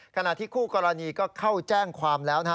ขณะที่คู่กรณีก็เข้าแจ้งความแล้วนะฮะ